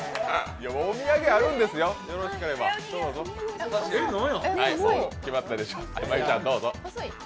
お土産あるんですよ、よろしければどうぞ。